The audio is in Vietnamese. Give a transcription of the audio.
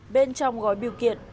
bên trong gói biểu kiện